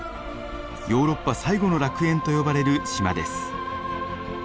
ヨーロッパ最後の楽園と呼ばれる島です。